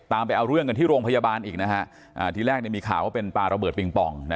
ไปเอาเรื่องกันที่โรงพยาบาลอีกนะฮะทีแรกมีข่าวว่าเป็นปลาระเบิดปิงปอง